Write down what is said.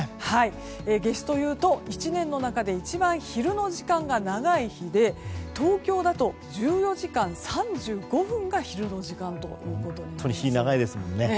夏至というと１年の中で一番昼の時間が長い日で東京だと１４時間３５分が昼の時間ということになります。